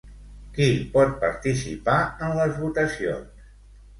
Qui pot participar en les votacions?